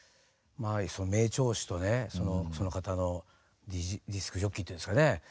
名調子とねその方のディスクジョッキーっていうんですかね